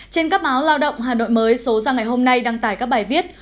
trên các báo lao động hà nội mới số ra ngày hôm nay đăng tải các bài viết